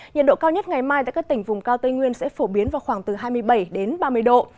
nhiệt độ cao nhất ngày mai tại các tỉnh vùng cao tây nguyên sẽ phổ biến vào khoảng từ hai mươi bảy đến ba mươi độ